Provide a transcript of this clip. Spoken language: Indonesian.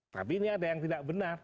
tapi ini ada yang tidak benar